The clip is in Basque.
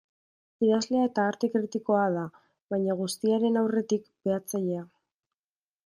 Idazlea eta arte kritikoa da, baina guztiaren aurretik, behatzailea.